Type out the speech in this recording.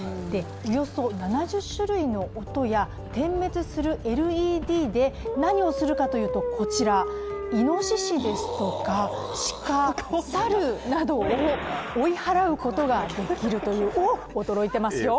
およそ７０種類の音や点滅するＬＥＤで、何をするかというと、いのししですとか鹿猿などを追い払うことができるという、おっ、驚いてますよ。